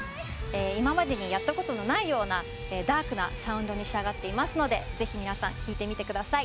今までにやった事のないようなダークなサウンドに仕上がっていますのでぜひ皆さん聴いてみてください。